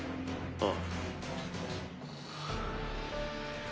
ああ。